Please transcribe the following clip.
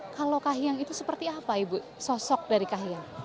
kalau kahiyang itu seperti apa ibu sosok dari kahiyang